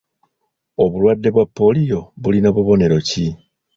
Obulwadde bwa pooliyo bulina bubonero ki?